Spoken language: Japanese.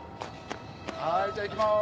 はいじゃあ行きます。